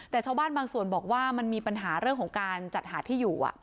แต่ชาวบ้านบางส่วนบอกว่ามันมีปัญหาเรื่องของการจัดหาที่อยู่